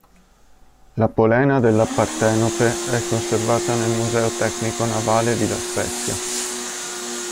La polena della "Partenope" è conservata nel Museo tecnico navale di La Spezia.